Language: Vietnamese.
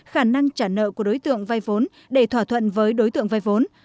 khả năng trả nợ của đối tượng vay vốn để thỏa thuận với đối tượng vay vốn